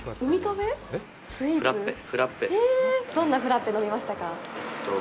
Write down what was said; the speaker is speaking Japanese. どんなフラッペを飲みましたか？